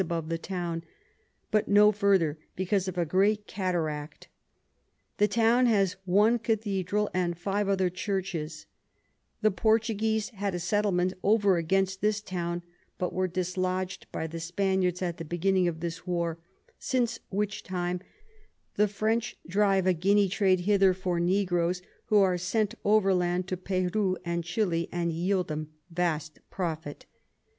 above the Town, but no further, because of a great Cataract. The Town has one Cathedral, and five other Churches: The Portuguese had a Settlement over against this Town, but were dislodg'd by the Spaniards at the beginning of this War; since which time the French drive a Guinea Trade hither for Negroes, who are sent over Land to Peru and Chili, and yield them vast Profit.